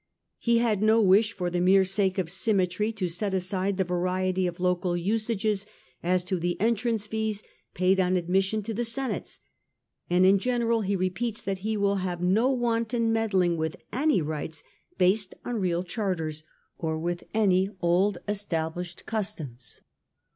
He has no wish, for the mere sake of symmetry, to set aside the variety of local usages as to the entrance fees paid on admission to the senates ; and in general he repeats that he will have no wanton meddling with any rights based on real charters, or with any old established customs.